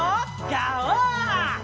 ガオー！